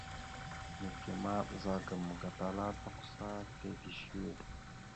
Neke ma ɓəzagaam gatala tʉkəsa tige səwe.